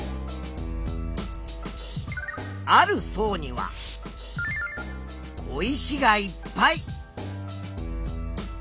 ある層には小石がいっぱい。